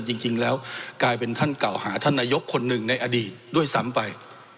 จริงแล้วกลายเป็นท่านเก่าหาท่านนายกคนหนึ่งในอดีตด้วยซ้ำไป